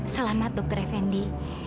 selamat dokter effendi